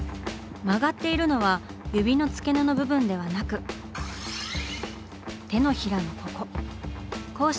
曲がっているのは指の付け根の部分ではなく手のひらのここ。